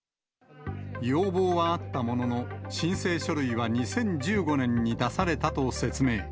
要望はあったものの、申請書類は２０１５年に出されたと説明。